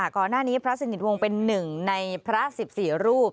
ก่อนหน้านี้พระสนิทวงเป็นหนึ่งในพระ๑๔รูป